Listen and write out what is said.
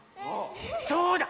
そうだ！